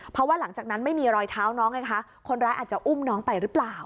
เพราะว่าหลังจากนั้นไม่มีรอยเท้าน้องไงคะคนร้ายอาจจะอุ้มน้องไปหรือเปล่า